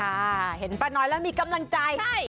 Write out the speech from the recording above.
ค่ะเห็นป้าน้อยแล้วมีกำลังใจ